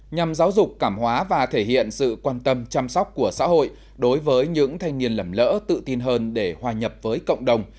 nhằm giáo dục cảm hóa và thể hiện sự quan tâm chăm sóc của xã hội đối với những thanh niên lầm lỡ tự tin hơn để hòa nhập với cộng đồng